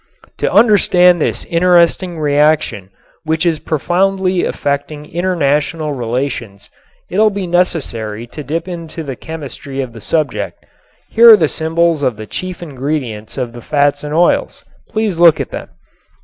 To understand this interesting reaction which is profoundly affecting international relations it will be necessary to dip into the chemistry of the subject. Here are the symbols of the chief ingredients of the fats and oils. Please look at them.